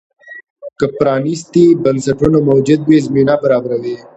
که پرانیستي بنسټونه موجود وي، زمینه برابروي.